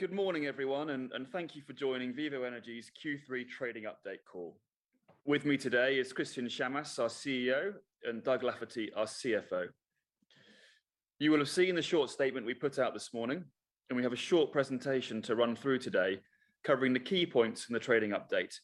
Good morning, everyone. Thank you for joining Vivo Energy's Q3 trading update call. With me today is Christian Chammas, our CEO, and Doug Lafferty, our CFO. You will have seen the short statement we put out this morning. We have a short presentation to run through today covering the key points in the trading update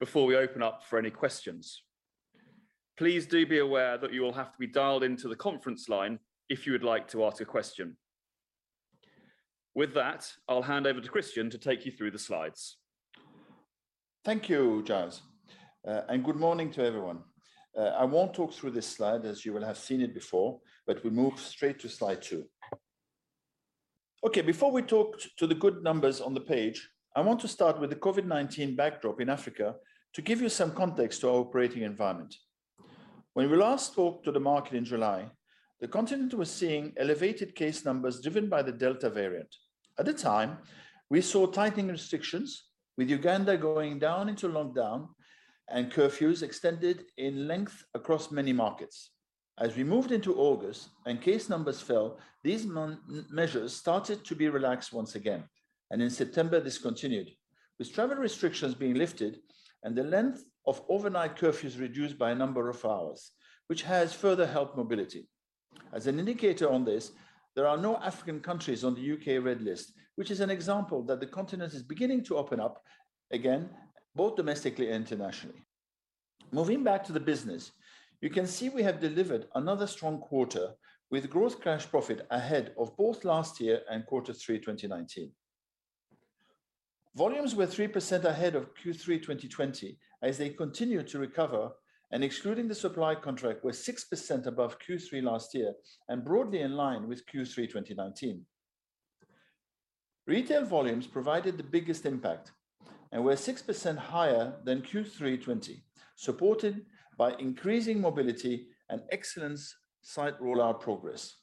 before we open up for any questions. Please do be aware that you will have to be dialed into the conference line if you would like to ask a question. With that, I'll hand over to Christian to take you through the slides. Thank you, Giles, and good morning to everyone. I won't talk through this slide, as you will have seen it before, but we'll move straight to slide two. Okay. Before we talk to the good numbers on the page, I want to start with the COVID-19 backdrop in Africa to give you some context to our operating environment. When we last spoke to the market in July, the continent was seeing elevated case numbers driven by the Delta variant. At the time, we saw tightening restrictions, with Uganda going down into lockdown and curfews extended in length across many markets. As we moved into August and case numbers fell, these measures started to be relaxed once again. In September, this continued, with travel restrictions being lifted and the length of overnight curfews reduced by a number of hours, which has further helped mobility. As an indicator on this, there are no African countries on the U.K. red list, which is an example that the continent is beginning to open up again, both domestically and internationally. Moving back to the business, you can see we have delivered another strong quarter with growth cash profit ahead of both last year and Q3 2019. Volumes were 3% ahead of Q3 2020 as they continued to recover, and excluding the supply contract, were 6% above Q3 last year and broadly in line with Q3 2019. Retail volumes provided the biggest impact and were 6% higher than Q3 2020, supported by increasing mobility and excellent site rollout progress.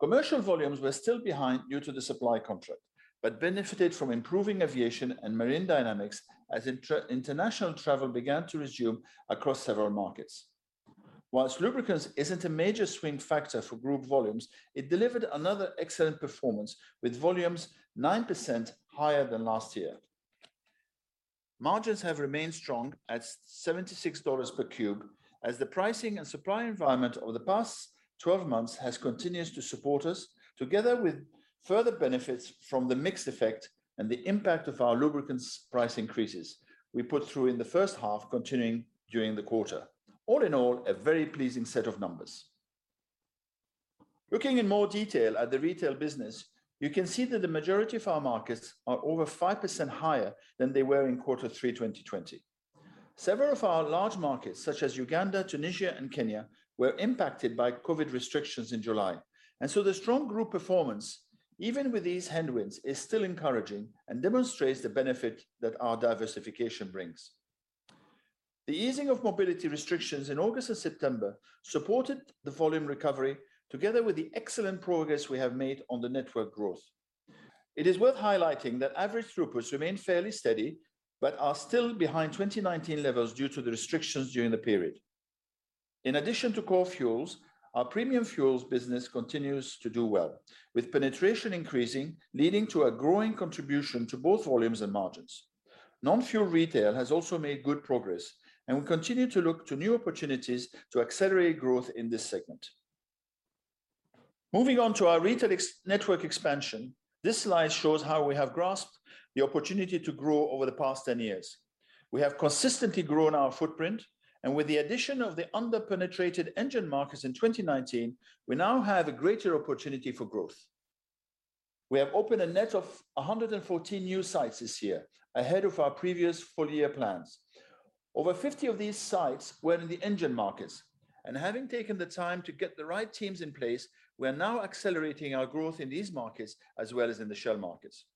Commercial volumes were still behind due to the supply contract, but benefited from improving aviation and marine dynamics as international travel began to resume across several markets. Whilst lubricants isn't a major swing factor for group volumes, it delivered another excellent performance, with volumes 9% higher than last year. Margins have remained strong at $76 per cube, as the pricing and supply environment over the past 12 months has continued to support us, together with further benefits from the mix effect and the impact of our lubricants price increases we put through in the first half continuing during the quarter. All in all, a very pleasing set of numbers. Looking in more detail at the retail business, you can see that the majority of our markets are over 5% higher than they were in quarter three 2020. Several of our large markets, such as Uganda, Tunisia, and Kenya, were impacted by COVID restrictions in July, and so the strong group performance, even with these headwinds, is still encouraging and demonstrates the benefit that our diversification brings. The easing of mobility restrictions in August and September supported the volume recovery together with the excellent progress we have made on the network growth. It is worth highlighting that average throughputs remain fairly steady but are still behind 2019 levels due to the restrictions during the period. In addition to core fuels, our premium fuels business continues to do well, with penetration increasing, leading to a growing contribution to both volumes and margins. Non-fuel retail has also made good progress, and we continue to look to new opportunities to accelerate growth in this segment. Moving on to our retail network expansion. This slide shows how we have grasped the opportunity to grow over the past 10 years. We have consistently grown our footprint, and with the addition of the under-penetrated Engen markets in 2019, we now have a greater opportunity for growth. We have opened a net of 114 new sites this year, ahead of our previous full-year plans. Over 50 of these sites were in the Engen markets. Having taken the time to get the right teams in place, we are now accelerating our growth in these markets as well as in the Shell markets.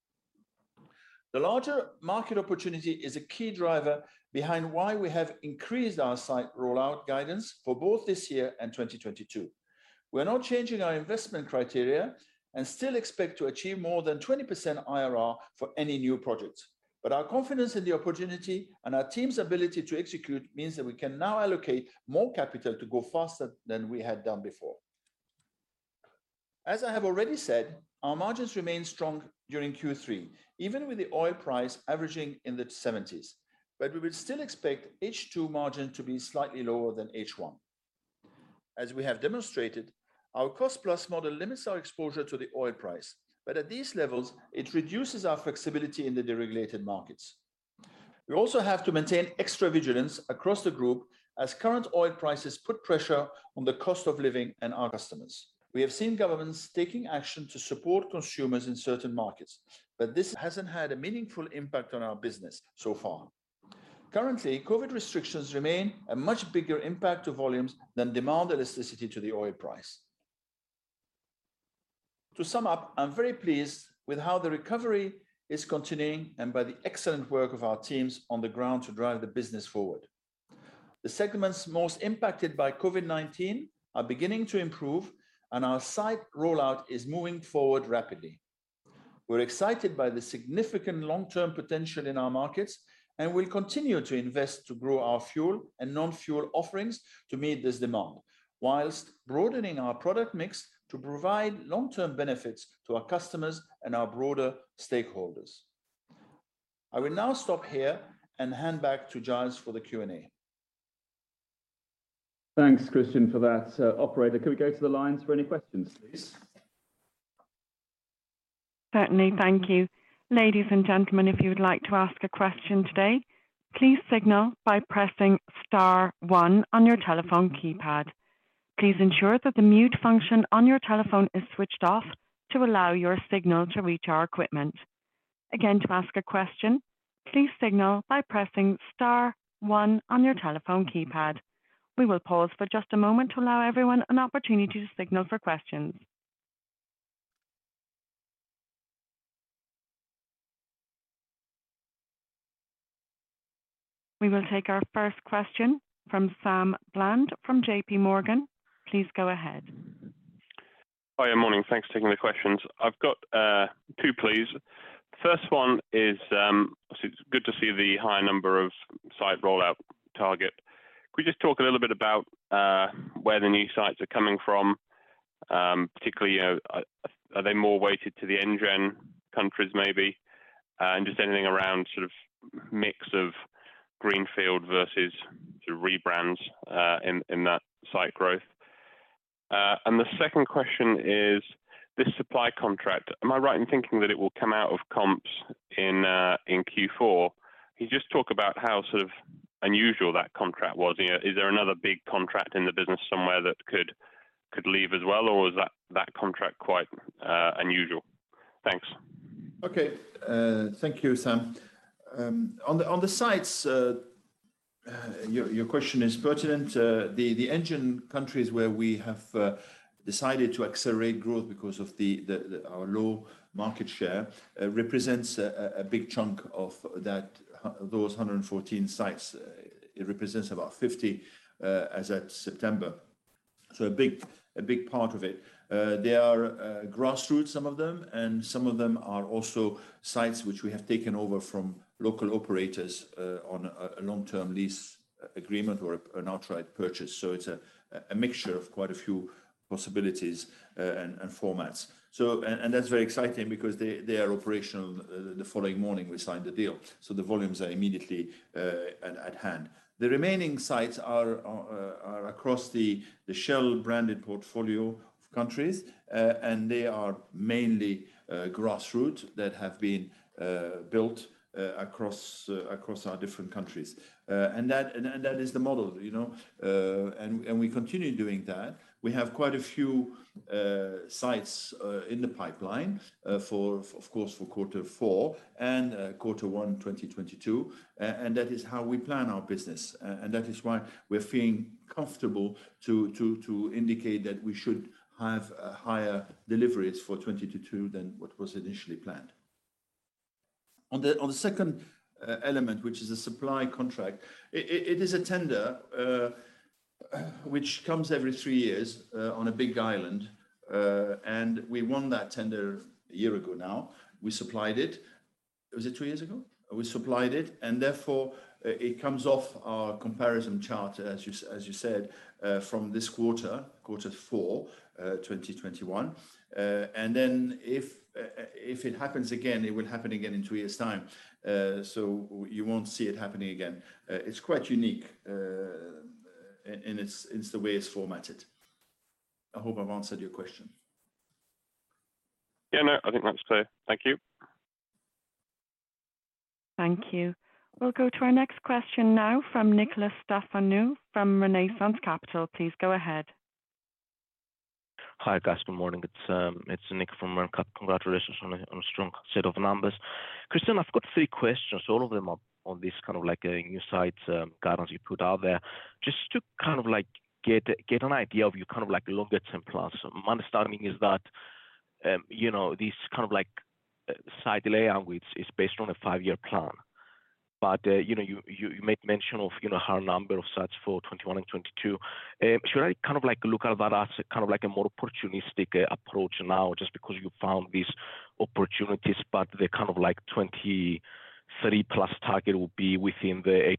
The larger market opportunity is a key driver behind why we have increased our site rollout guidance for both this year and 2022. We are not changing our investment criteria and still expect to achieve more than 20% IRR for any new projects. Our confidence in the opportunity and our team's ability to execute means that we can now allocate more capital to go faster than we had done before. As I have already said, our margins remained strong during Q3, even with the oil price averaging in the 70s. We would still expect H2 margin to be slightly lower than H1. As we have demonstrated, our cost-plus model limits our exposure to the oil price. At these levels, it reduces our flexibility in the deregulated markets. We also have to maintain extra vigilance across the group as current oil prices put pressure on the cost of living and our customers. We have seen governments taking action to support consumers in certain markets, this hasn't had a meaningful impact on our business so far. Currently, COVID restrictions remain a much bigger impact to volumes than demand elasticity to the oil price. To sum up, I'm very pleased with how the recovery is continuing and by the excellent work of our teams on the ground to drive the business forward. The segments most impacted by COVID-19 are beginning to improve, our site rollout is moving forward rapidly. We're excited by the significant long-term potential in our markets and will continue to invest to grow our fuel and non-fuel offerings to meet this demand whilst broadening our product mix to provide long-term benefits to our customers and our broader stakeholders. I will now stop here and hand back to Giles for the Q&A. Thanks, Christian, for that. Operator, could we go to the lines for any questions, please? Certainly. Thank you. Ladies and gentlemen, if you would like to ask a question today, please signal by pressing star one on your telephone keypad. Please ensure that the mute function on your telephone is switched off to allow your signal to reach our equipment. Again, to ask a question, please signal by pressing star one on your telephone keypad. We will pause for just a moment to allow everyone an opportunity to signal for questions. We will take our first question from Sam Bland from JP Morgan. Please go ahead. Hiya. Morning. Thanks for taking the questions. I've got two, please. First one is, obviously it's good to see the high number of site rollout target. Could we just talk a little bit about where the new sites are coming from? Particularly, are they more weighted to the Engen countries maybe? Just anything around mix of grassroots versus the rebrands in that site growth. The second question is this supply contract, am I right in thinking that it will come out of comps in Q4? Can you just talk about how unusual that contract was? Is there another big contract in the business somewhere that could leave as well, or was that contract quite unusual? Thanks. Okay. Thank you, Sam. On the sites, your question is pertinent. The Engen countries where we have decided to accelerate growth because of our low market share represents a big chunk of those 114 sites. It represents about 50 as at September. A big part of it. They are grassroots, some of them, and some of them are also sites which we have taken over from local operators on a long-term lease agreement or an outright purchase. It's a mixture of quite a few possibilities and formats. That's very exciting because they are operational the following morning we sign the deal, so the volumes are immediately at hand. The remaining sites are across the Shell-branded portfolio of countries, and they are mainly grassroots that have been built across our different countries. That is the model, and we continue doing that. We have quite a few sites in the pipeline, of course for quarter four and quarter one 2022, that is how we plan our business. That is why we're feeling comfortable to indicate that we should have higher deliveries for 2022 than what was initially planned. On the second element, which is a supply contract, it is a tender which comes every three years on a big island. We won that tender one year ago now. We supplied it. Was it two years ago? We supplied it, and therefore it comes off our comparison chart, as you said, from this quarter four 2021. If it happens again, it will happen again in two years' time, so you won't see it happening again. It's quite unique in the way it's formatted. I hope I've answered your question. Yeah, no, I think that's clear. Thank you. Thank you. We'll go to our next question now from Nikolas Stefanou from Renaissance Capital. Please go ahead. Hi, guys. Good morning. It's Nick from Ren Cap. Congratulations on a strong set of numbers. Christian, I've got three questions. All of them are on this new site guidance you put out there. Just to get an idea of your longer term plans. My understanding is that this site layout is based on a five year plan, but you made mention of how number of sites for 2021 and 2022. Should I look at that as a more opportunistic approach now just because you found these opportunities, but the 2023 plus target will be within the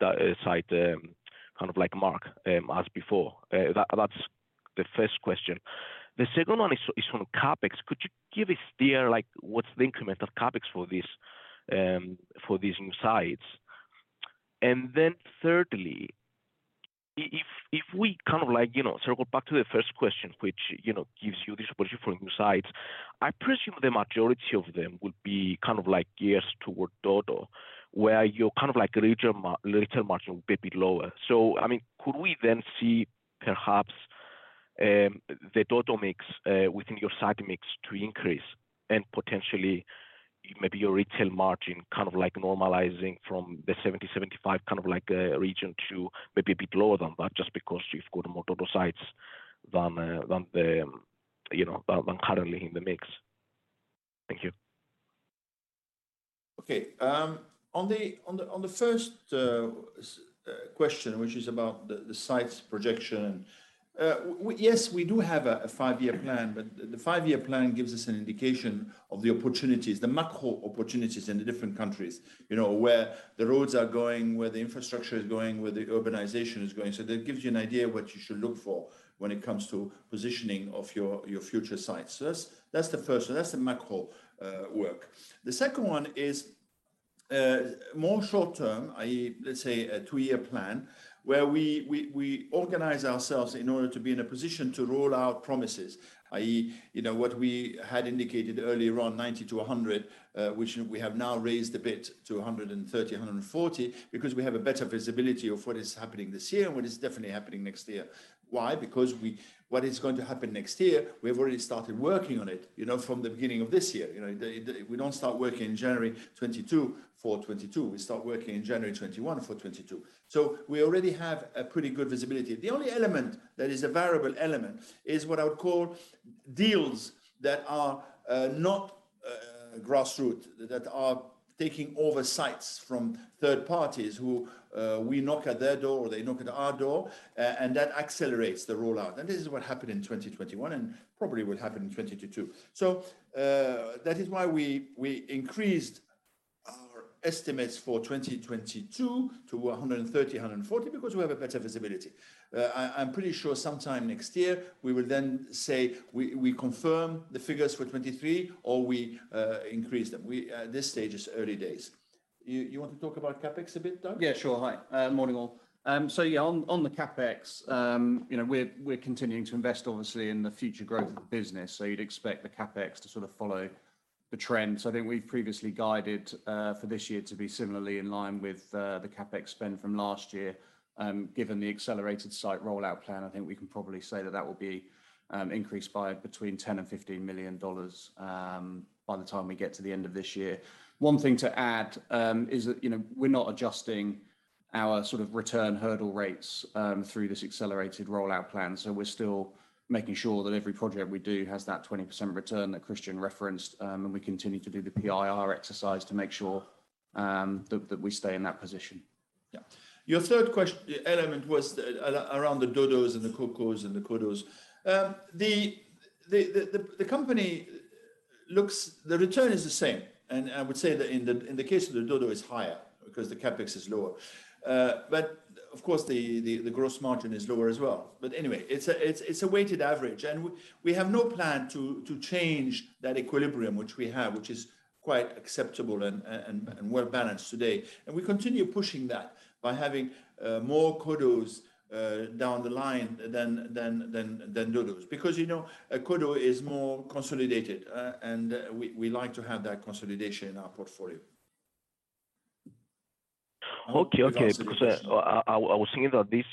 80-100 site mark as before? That's the first question. The second one is on CapEx. Could you give a steer, like what's the increment of CapEx for these new sites? thirdly, if we circle back to the first question, which gives you this opportunity for new sites, I presume the majority of them would be geared toward TotalEnergies, where your retail margin will be a bit lower. Could we then see perhaps the TotalEnergies mix within your site mix to increase and potentially maybe your retail margin normalizing from the 70%-75% region to maybe a bit lower than that just because you've got more TotalEnergies sites than currently in the mix? Thank you. Okay. On the first question, which is about the sites projection, yes, we do have a five-year plan, but the five-year plan gives us an indication of the opportunities, the macro opportunities in the different countries. Where the roads are going, where the infrastructure is going, where the urbanization is going. That gives you an idea of what you should look for when it comes to positioning of your future sites. That's the first one. That's the macro work. The second one is more short term, let's say a two-year plan, where we organize ourselves in order to be in a position to roll out promises, i.e., what we had indicated earlier on 90 to 100, which we have now raised a bit to 130, 140 because we have a better visibility of what is happening this year and what is definitely happening next year. Why? What is going to happen next year, we have already started working on it from the beginning of this year. We don't start working in January 2022 for 2022, we start working in January 2021 for 2022. We already have a pretty good visibility. The only element that is a variable element is what I would call deals that are not grassroots, that are taking over sites from third parties who we knock at their door or they knock at our door, and that accelerates the rollout. This is what happened in 2021 and probably will happen in 2022. That is why we increased our estimates for 2022 to 130, 140 because we have a better visibility. I'm pretty sure sometime next year we will then say we confirm the figures for 2023 or we increase them. This stage is early days. You want to talk about CapEx a bit, Doug? Yeah, sure. Hi. Morning, all. Yeah, on the CapEx, we're continuing to invest obviously in the future growth of the business, so you'd expect the CapEx to follow the trends. I think we've previously guided for this year to be similarly in line with the CapEx spend from last year. Given the accelerated site rollout plan, I think we can probably say that that will be increased by between $10 and $15 million by the time we get to the end of this year. One thing to add is that we're not adjusting our return hurdle rates through this accelerated rollout plan, so we're still making sure that every project we do has that 20% return that Christian referenced, and we continue to do the PIR exercise to make sure that we stay in that position. Yeah. Your third element was around the DODOs and the COCOs and the CODOs. The return is the same, and I would say that in the case of the DODO is higher because the CapEx is lower. Of course, the gross margin is lower as well. Anyway, it's a weighted average, and we have no plan to change that equilibrium which we have, which is quite acceptable and well balanced today. We continue pushing that by having more CODOs down the line than DODOs because a CODO is more consolidated, and we like to have that consolidation in our portfolio. Okay. I was thinking these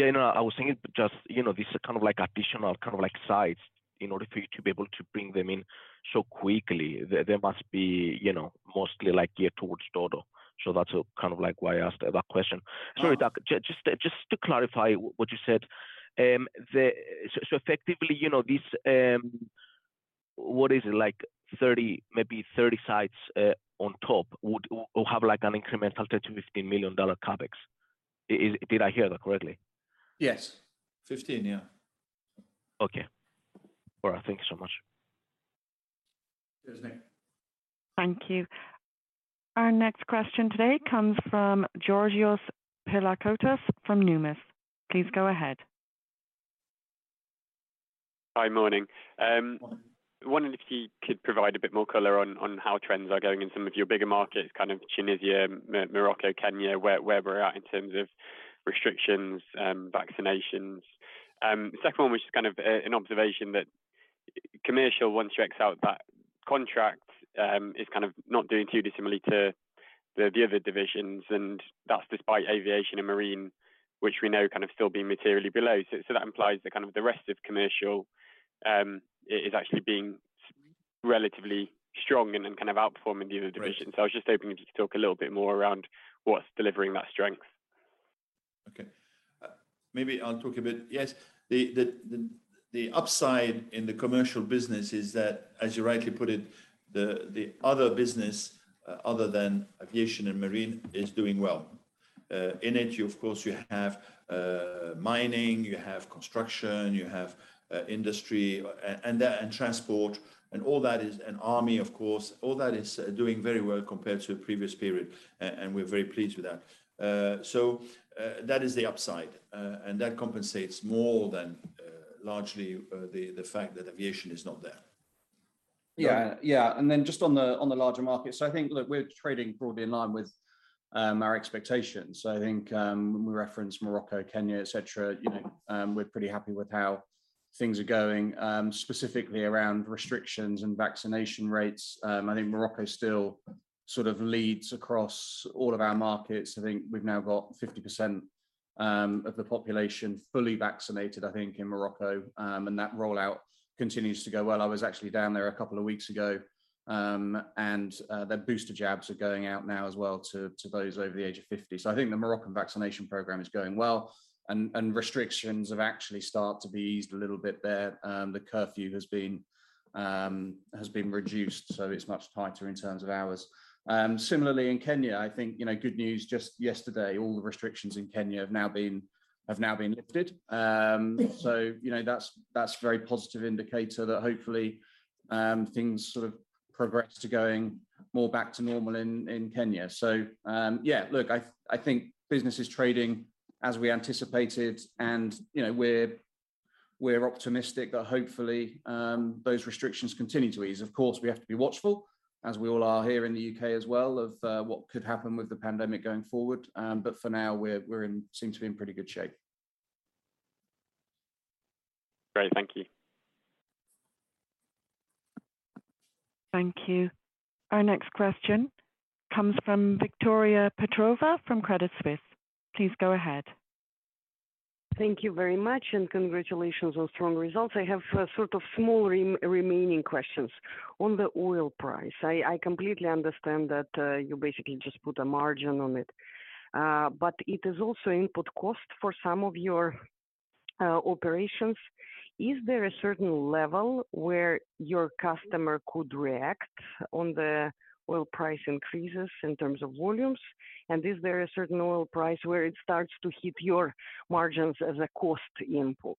are kind of additional sites in order for you to be able to bring them in so quickly, they must be mostly geared towards DODOs. That's kind of why I asked that question. Sorry, Doug, just to clarify what you said. Effectively, maybe 30 sites on top would have an incremental $10 million-$15 million CapEx. Did I hear that correctly? Yes. 15, yeah. Okay. All right, thank you so much. Cheers, Nick. Thank you. Our next question today comes from Georgios Pilakoutas from Numis. Please go ahead. Hi. Morning. Morning. Wondering if you could provide a bit more color on how trends are going in some of your bigger markets, Tunisia, Morocco, Kenya, where we're at in terms of restrictions, vaccinations. Second one was just kind of an observation that commercial, once you excerpt that contract, is kind of not doing too dissimilarly to the other divisions, and that's despite aviation and marine, which we know still being materially below. That implies the rest of commercial is actually being relatively strong and kind of outperforming the other divisions. Right. I was just hoping you could talk a little bit more around what's delivering that strength? Okay. Maybe I'll talk a bit. Yes, the upside in the commercial business is that, as you rightly put it, the other business, other than aviation and marine, is doing well. In it, you of course have mining, you have construction, you have industry and transport and army, of course. All that is doing very well compared to the previous period, and we are very pleased with that. That is the upside, and that compensates more than largely the fact that aviation is not there. Correct? Yeah. Then just on the larger markets, I think, look, we're trading broadly in line with our expectations. I think when we reference Morocco, Kenya, et cetera, we're pretty happy with how things are going, specifically around restrictions and vaccination rates. I think Morocco still sort of leads across all of our markets. I think we've now got 50% of the population fully vaccinated, I think, in Morocco, that rollout continues to go well. I was actually down there a couple of weeks ago, their booster jabs are going out now as well to those over the age of 50. I think the Moroccan vaccination program is going well restrictions have actually started to be eased a little bit there. The curfew has been reduced, it's much tighter in terms of hours. Similarly in Kenya, I think good news just yesterday, all the restrictions in Kenya have now been lifted. That's a very positive indicator that hopefully things sort of progress to going more back to normal in Kenya. Yeah, look, I think business is trading as we anticipated and We're optimistic that hopefully those restrictions continue to ease. Of course, we have to be watchful, as we all are here in the U.K. as well, of what could happen with the pandemic going forward. For now, we seem to be in pretty good shape. Great. Thank you. Thank you. Our next question comes from Victoria Petrova from Credit Suisse. Please go ahead. Thank you very much. Congratulations on strong results. I have sort of small remaining questions. On the oil price, I completely understand that you basically just put a margin on it, but it is also input cost for some of your operations. Is there a certain level where your customer could react on the oil price increases in terms of volumes? Is there a certain oil price where it starts to hit your margins as a cost input?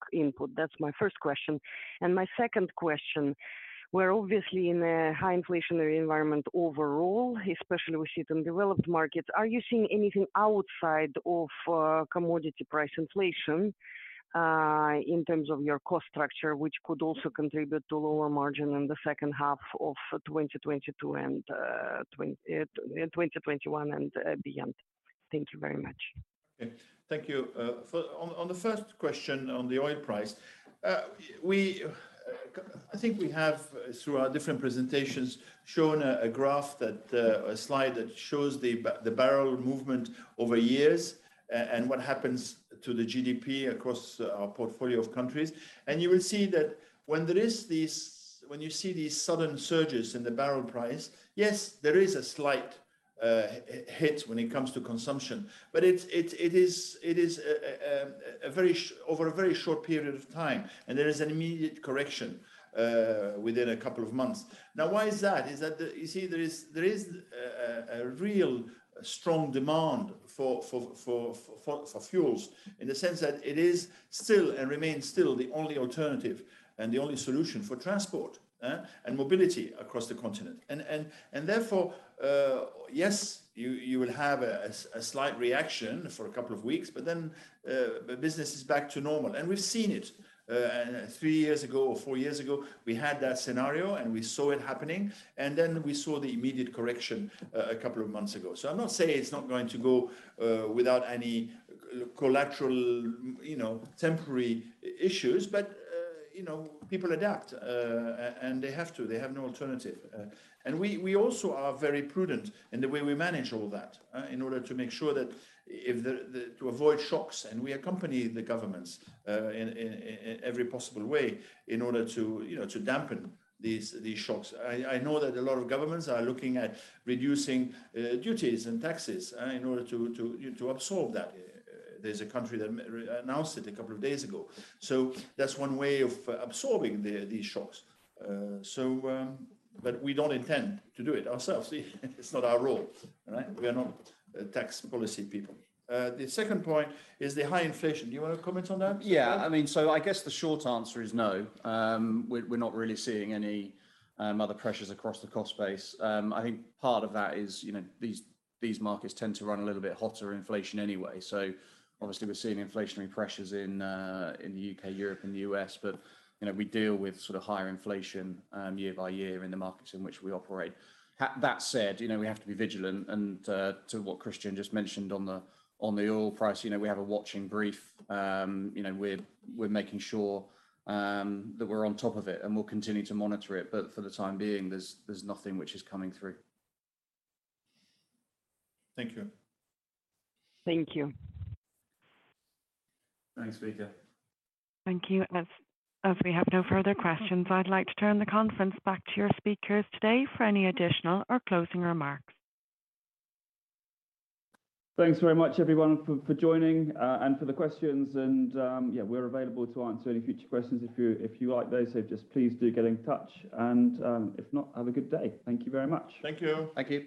That's my first question. My second question, we're obviously in a high inflationary environment overall, especially we see it in developed markets. Are you seeing anything outside of commodity price inflation, in terms of your cost structure, which could also contribute to lower margin in the second half of 2021 and beyond? Thank you very much. Okay. Thank you. On the first question, on the oil price, I think we have, through our different presentations, shown a slide that shows the barrel movement over years and what happens to the GDP across our portfolio of countries. You will see that when you see these sudden surges in the barrel price, yes, there is a slight hit when it comes to consumption. It is over a very short period of time, and there is an immediate correction within a couple of months. Why is that? Is that you see there is a real strong demand for fuels in the sense that it is still and remains still the only alternative and the only solution for transport and mobility across the continent. Therefore, yes, you will have a slight reaction for a couple of weeks, but then business is back to normal. We've seen it. Three years ago or four years ago, we had that scenario, and we saw it happening. Then we saw the immediate correction a couple of months ago. I'm not saying it's not going to go without any collateral temporary issues, but people adapt. They have to. They have no alternative. We also are very prudent in the way we manage all that in order to make sure to avoid shocks. We accompany the governments in every possible way in order to dampen these shocks. I know that a lot of governments are looking at reducing duties and taxes in order to absorb that. There's a country that announced it a couple of days ago. That's one way of absorbing these shocks. We don't intend to do it ourselves. It's not our role. Right? We are not tax policy people. The second point is the high inflation. Do you want to comment on that as well? I guess the short answer is no. We're not really seeing any other pressures across the cost base. I think part of that is these markets tend to run a little bit hotter inflation anyway. Obviously we're seeing inflationary pressures in the U.K., Europe, and the U.S., we deal with sort of higher inflation year by year in the markets in which we operate. That said, we have to be vigilant, to what Christian just mentioned on the oil price, we have a watching brief. We're making sure that we're on top of it, we'll continue to monitor it. For the time being, there's nothing which is coming through. Thank you. Thank you. Thanks, Victoria Petrova. Thank you. As we have no further questions, I'd like to turn the conference back to your speakers today for any additional or closing remarks. Thanks very much, everyone, for joining and for the questions. Yeah, we're available to answer any future questions if you like those, so just please do get in touch. If not, have a good day. Thank you very much. Thank you. Thank you.